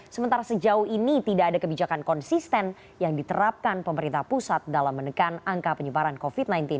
sementara sejauh ini tidak ada kebijakan konsisten yang diterapkan pemerintah pusat dalam menekan angka penyebaran covid sembilan belas